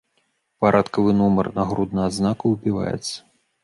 Парадкавы нумар нагруднага знаку выбіваецца.